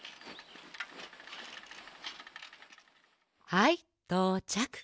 はいとうちゃく。